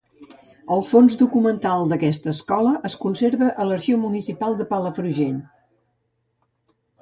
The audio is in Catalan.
El fons documental d'aquesta escola es conserva a l'Arxiu Municipal de Palafrugell.